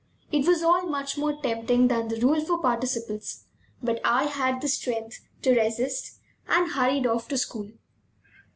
It was all much more tempting than the rule for participles, but I had the strength to resist, and hurried off to school.